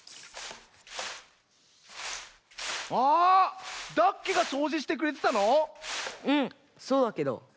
あダッケがそうじしてくれてたの⁉うんそうだけど。